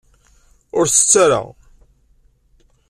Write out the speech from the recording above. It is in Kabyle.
Ur t-tett ara.